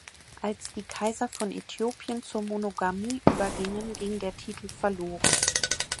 Als die Kaiser von Äthiopien zur Monogamie übergingen, ging der Titel verloren.